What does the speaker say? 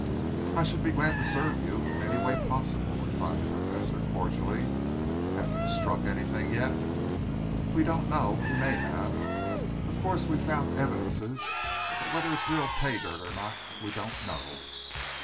"I should be glad to serve you in any way possible," replied the Professor cordially. "Have you struck anything yet?" "We don't know. We may have. Of course we've found evidences, but whether it's real pay dirt or not we don't know."